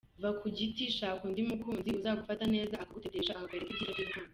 Va kugiti shaka undi mukunzi uzagufata neza, akagutetesha akakwereka ibyiza by’urukundo.